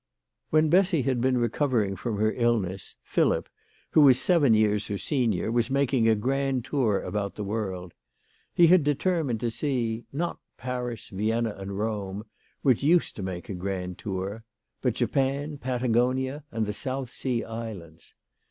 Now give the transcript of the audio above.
When Bessy had been recovering from her illness, Philip, who was seven years her senior, was making a grand tour about the world. He had determined to THE LADY OF LAOTAY. Ill see, not Paris, Vienna, and Rome, which used to make a grand tour, but Japan, Patagonia, and the South Sea Islands.